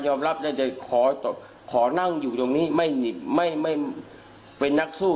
ยอมรับและจะขอขอนั่งอยู่ตรงนี้ไม่ไม่ไม่เป็นนักสู้